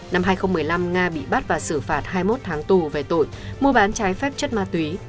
năm hai nghìn một mươi năm nga bị bắt và xử phạt hai mươi một tháng tù về tội mua bán trái phép chất ma túy